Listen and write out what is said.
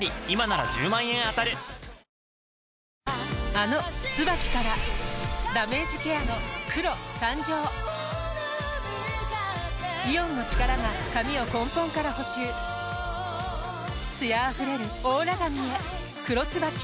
あの「ＴＳＵＢＡＫＩ」からダメージケアの黒誕生イオンの力が髪を根本から補修艶あふれるオーラ髪へ「黒ＴＳＵＢＡＫＩ」